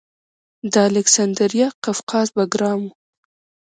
د الکسندریه قفقاز بګرام و